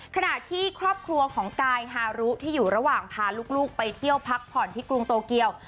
ขณะที่ครอบครัวของกายฮารุที่อยู่ระหว่างพาลูกไปเที่ยวพักผ่อนที่กรุงโตเกียว